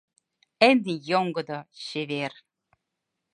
Эн йоҥгыдо, чевер.